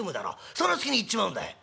その隙に行っちまうんだ」。